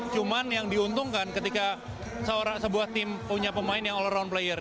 cuman yang diuntungkan ketika sebuah tim punya pemain yang all around player